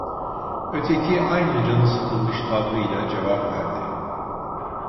Öteki aynı canı sıkılmış tavrıyla cevap verdi: